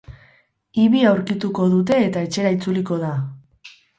Ibi aurkituko dute eta etxera itzuliko da.